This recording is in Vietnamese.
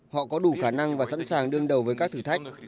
họ có đủ khả năng và sẵn sàng đương đầu với các thử thách